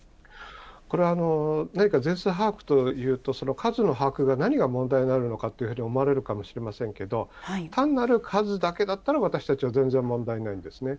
これは、何か全数把握というと、数の把握が何が問題があるのかというふうに思われるのかもしれませんけど、単なる数だけだったら私たちは全然問題ないんですね。